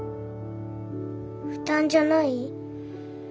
負担じゃない？